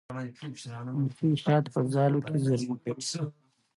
مچۍ شات په ځالو کې زېرمه کوي.